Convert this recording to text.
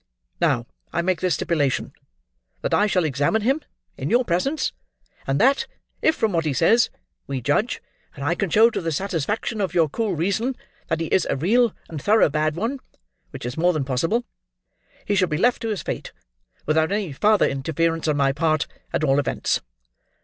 Now I make this stipulation—that I shall examine him in your presence, and that, if, from what he says, we judge, and I can show to the satisfaction of your cool reason, that he is a real and thorough bad one (which is more than possible), he shall be left to his fate, without any farther interference on my part, at all events."